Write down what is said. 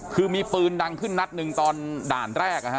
คือมีปืนดังขึ้นนัดหนึ่งตอนด่านแรก